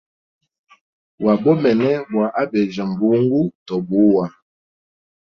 Wabomene bwa abeja mbungu to buwa.